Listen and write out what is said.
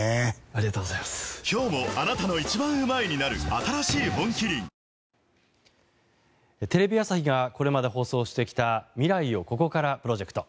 新しい「本麒麟」テレビ朝日がこれまで放送してきた未来をここからプロジェクト。